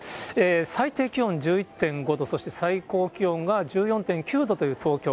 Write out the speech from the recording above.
最低気温１１．５度、そして、最高気温が１４．９度という東京。